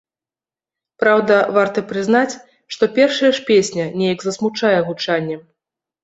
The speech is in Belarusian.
Праўда, варта прызнаць, што першая ж песня неяк засмучае гучаннем.